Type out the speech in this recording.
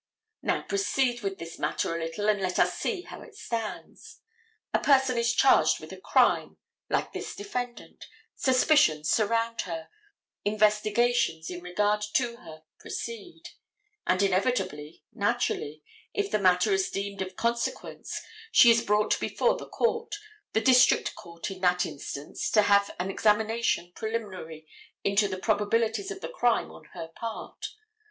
Now, proceed with this matter a little and let us see how it stands. A person is charged with a crime, like this defendant, suspicions surround her, investigations in regard to her proceed, and inevitably, naturally, if the matter is deemed of consequence, she is brought before the court, the district court in that instance, to have an examination preliminary into the probabilities of the crime on her part.